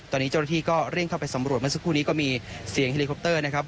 ตอนนี้เจ้าหน้าที่ก็เร่งเข้าไปสำรวจเมื่อสักครู่นี้ก็มีเสียงเฮลิคอปเตอร์นะครับ